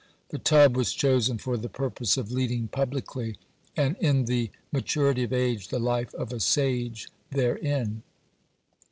The tub was chosen for the purpose of leading publicly, and in the maturity of age, the life of a sage therein.